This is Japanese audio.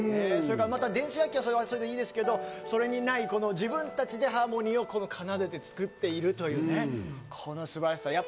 電子楽器はそれはそれでいいですけど、それにない、自分たちでハーモニーを奏でて作っているというね、この素晴らしさ。